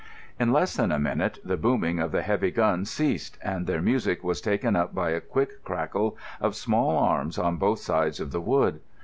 In less than a minute the booming of the heavy guns ceased, and their music was taken up by a quick crackle of small arms on both sides of the wood.